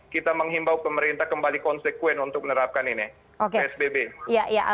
kita menghimbau pemerintah kembali konsekuen untuk menerapkan ini